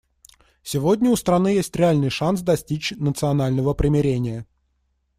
Сегодня у страны есть реальный шанс достичь национального примирения.